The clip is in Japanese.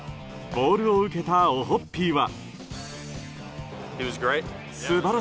ボールを受けたオホッピーは。